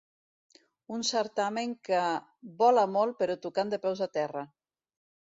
Un certamen que “vola molt però tocant de peus a terra”